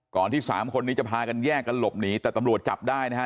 ที่สามคนนี้จะพากันแยกกันหลบหนีแต่ตำรวจจับได้นะฮะ